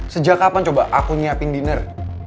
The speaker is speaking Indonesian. sejak kapan coba aku nyiapin dinner